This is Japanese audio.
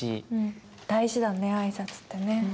大事だね挨拶ってね。